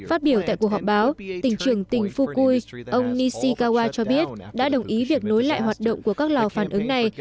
phát biểu tại cuộc họp báo tỉnh trưởng tỉnh fukui ông nishi kawa cho biết đã đồng ý việc nối lại hoạt động của các lò phản ứng này